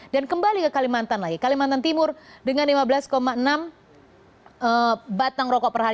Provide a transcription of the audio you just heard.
dan kembali ke kalimantan lagi kalimantan timur dengan lima belas enam batang rokok per hari